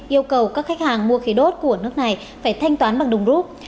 yêu cầu các khách hàng mua khí đốt của nước này phải thanh toán bằng đồng rút